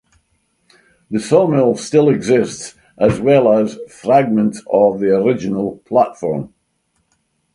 The sawmill still exists as well as fragments of the original platform.